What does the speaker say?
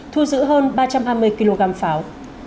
thu giữ hơn ba trăm hai mươi kg pháo